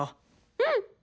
うん！